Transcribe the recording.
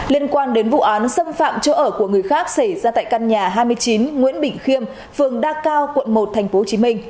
liên quan đến vụ án xâm phạm chỗ ở của người khác xảy ra tại căn nhà hai mươi chín nguyễn bình khiêm phường đa cao quận một tp hcm